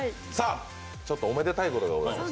ちょっとおめでたいことがあります。